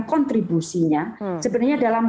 kontribusinya sebenarnya dalam